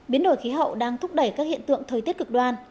biến đổi khí hậu đang thúc đẩy các hiện tượng thời tiết cực đoan